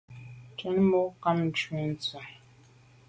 Njen mo’ bàm nkàb ntshu ntse.